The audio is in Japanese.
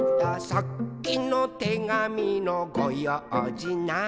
「さっきのてがみのごようじなーに」